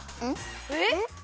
えっ？